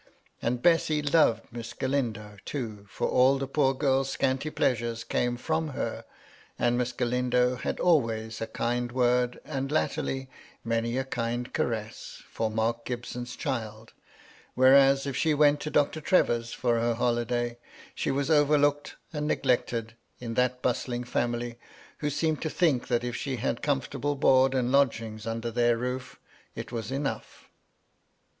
And Bessy loved Miss Galindo, too^ for all the poor girl's scanty pleasures came from her, and Miss Galindo had always a kind word, and, latterly, many a kind caress, for Mark Gibson's child ; whereas, if she went to Doctor Trevor's for her holiday, she was overlooked and neglected in that bustling family, who seemed to think that if she had comfortable board and lodging under their roof, it was enough.